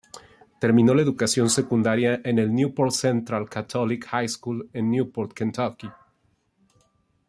Terminó la educación secundaria en el Newport Central Catholic High School en Newport, Kentucky.